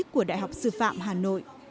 của đại học sư phạm hà nội